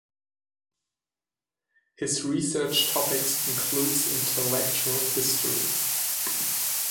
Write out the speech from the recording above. His research topics includes intellectual history.